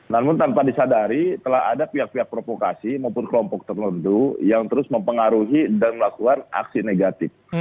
namun tanpa disadari telah ada pihak pihak provokasi maupun kelompok tertentu yang terus mempengaruhi dan melakukan aksi negatif